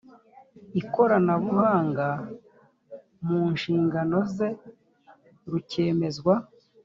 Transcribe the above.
ikoranabuhanga mu nshingano ze rukemezwa